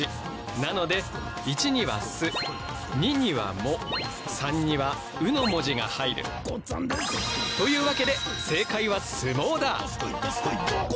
なので１には「す」２には「も」３には「う」の文字が入る。というわけで正解は「すもう」だ！